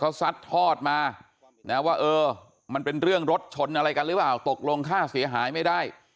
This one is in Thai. เขาซัดทอดมานะว่าเออมันเป็นเรื่องรถชนอะไรกันหรือเปล่าตกลงค่าเสียหายไม่ได้